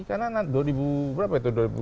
karena nanti dua ribu berapa itu